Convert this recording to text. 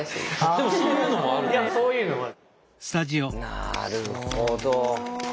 なるほど。